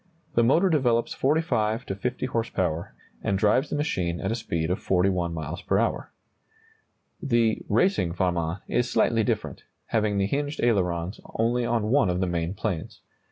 The motor develops 45 to 50 horse power, and drives the machine at a speed of 41 miles per hour. The "racing Farman" is slightly different, having the hinged ailerons only on one of the main planes.